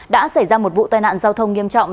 đã xảy ra một vụ tai nạn giao thông nghiêm trọng